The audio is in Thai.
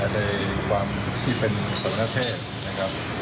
ในความที่เป็นสมณเพศนะครับ